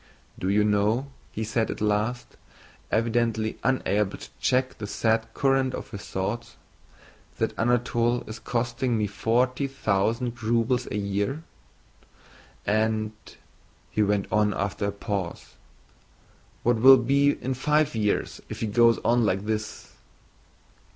"Do you know," he said at last, evidently unable to check the sad current of his thoughts, "that Anatole is costing me forty thousand rubles a year? And," he went on after a pause, "what will it be in five years, if he goes on like this?"